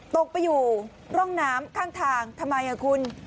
ตกไปอยู่ร่องน้ำข้างทางทำไมคุณ